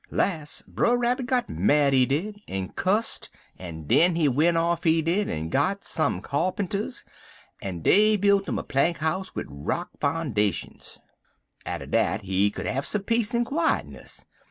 Las' Brer Rabbit got mad, he did, en cusst, en den he went off, he did, en got some kyarpinters, en dey b'ilt 'im a plank house wid rock foundashuns. Atter dat he could have some peace en quietness.